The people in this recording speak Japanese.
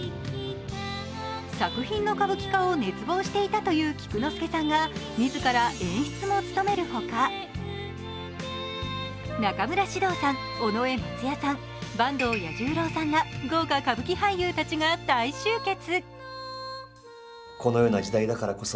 作品の歌舞伎化を熱望していたという菊之助さんが自ら演出も務める他、中村獅童さん、尾上松也さん、坂東彌十郎さんら豪華歌舞伎俳優らが大集結。